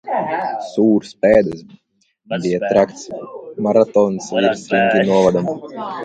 Sūrst pēdas, bija traks maratons visriņķī novadam.